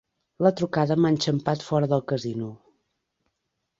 La trucada m'ha enxampat fora del casino.